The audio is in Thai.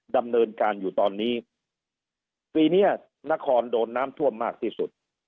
ดำเนินการอยู่ตอนนี้ปีเนี้ยนครโดนน้ำท่วมมากที่สุด